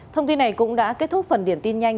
thông tin này cũng đã kết thúc phần điểm tin nhanh